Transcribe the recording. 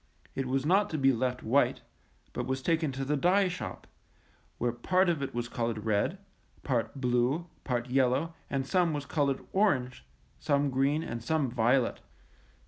It was not to be left white, but was taken to the dye shop, where part of it was colored red, part blue, part yellow, and some was colored orange, some green, and some violet.